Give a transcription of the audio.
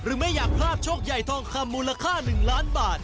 ไม่อยากพลาดโชคใหญ่ทองคำมูลค่า๑ล้านบาท